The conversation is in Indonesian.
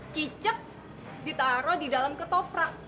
cicak ditaruh di dalam ketoprak